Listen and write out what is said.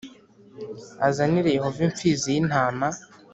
azanire Yehova imfizi y intama